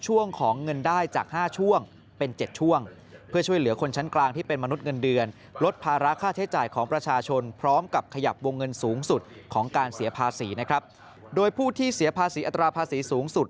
วงเงินสูงสุดของการเสียภาษีนะครับโดยผู้ที่เสียภาษีอัตราภาษีสูงสุด